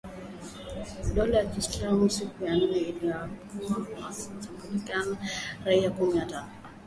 Dola ya Kiislamu siku ya Jumanne lilidai kuhusika na shambulizi lililoua takribani raia kumi na watano